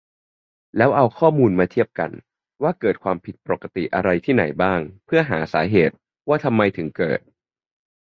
แล้วเอาข้อมูลมาเทียบกัน ว่าเกิดความผิดปกติอะไรที่ไหนบ้าง เพื่อหาสาเหตุ ว่าทำไมถึงเกิด